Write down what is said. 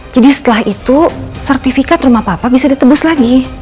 jadi setelah itu sertifikat rumah papa bisa ditebus lagi